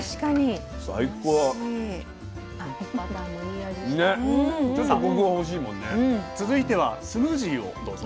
さあ続いてはスムージーをどうぞ。